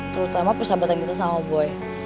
terutama persahabatan kita sama boy